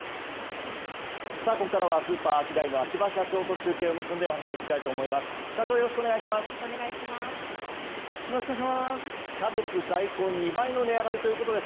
ここからはスーパーアキダイの秋葉社長と中継をつないでお話を聞きたいと思います。